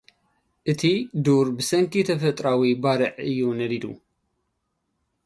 እቲ ዱር ብሰንኪ ተፈጥሮኣዊ ባርዕ እዩ ነዲዱ።